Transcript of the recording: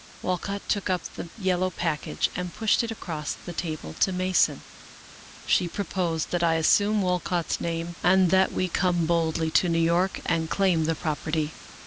Walcott took up the yellow package, and pushed it across the table to Mason. " She proposed that I assume Walcott's name, and that w^e come boldly to New York and claim the property.